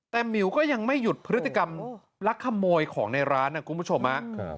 แต่หมิวก็ยังไม่หยุดพฤติกรรมลักขโมยของในร้านนะคุณผู้ชมฮะ